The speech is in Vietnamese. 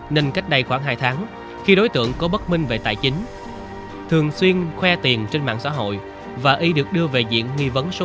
nên cách đây khoảng hai tháng khi đối tượng có bất minh về tài chính thường xuyên khoe tiền trên mạng xã hội và y được đưa về diện nghi vấn số